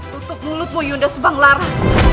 tutup mulutmu yunda subang lara